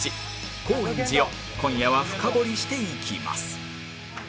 高円寺を今夜は深掘りしていきます